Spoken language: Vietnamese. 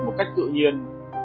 một cách tự nhiên